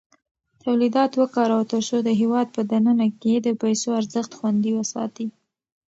تولیدات وکاروه ترڅو د هېواد په دننه کې د پیسو ارزښت خوندي وساتې.